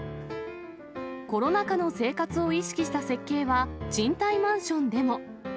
コロナ禍の生活を意識した設計は、賃貸マンションでも。